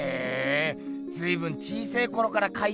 ずいぶん小せぇころからかいてんだな。